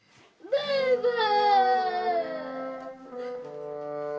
バイバイ。